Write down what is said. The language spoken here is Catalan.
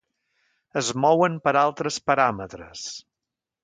Es mouen per altres paràmetres.